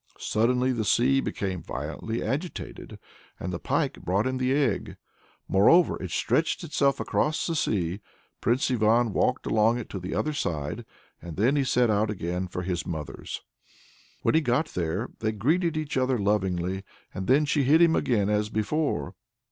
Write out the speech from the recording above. Suddenly the sea became violently agitated, and the pike brought him the egg. Moreover it stretched itself across the sea. Prince Ivan walked along it to the other side, and then he set out again for his mother's. When he got there, they greeted each other lovingly, and then she hid him again as before.